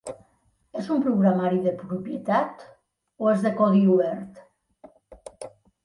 És un programari de propietat o és de codi obert?